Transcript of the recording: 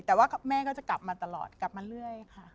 แต่ว่าแม่ก็จะกลับมาตลอดกลับมาเรื่อยค่ะ